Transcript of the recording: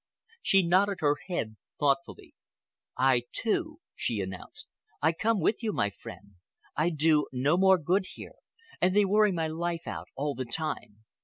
She nodded her head thoughtfully. "I, too," she announced. "I come with you, my friend. I do no more good here, and they worry my life out all the time.